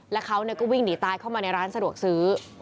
แล้วเขาก็วิ่งหนีตายเข้ามาในร้านสะดวกซื้อ